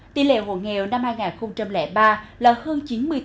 tỷ lệ hồ nghèo năm hai nghìn ba là hơn chín mươi tám